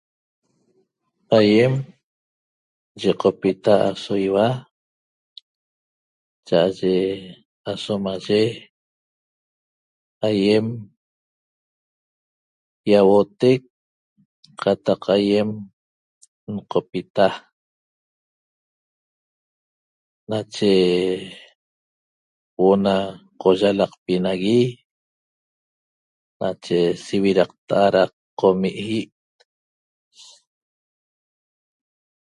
Aýem yiqopita aso ýiua cha'aye asomaye aýem ýauotec qataq aýem n'qopita nache huo'o na qoyalaqpi nagui nache sividaqta'a da qomi' ýi'